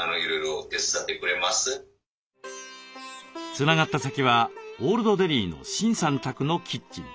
つながった先はオールドデリーのシンさん宅のキッチン。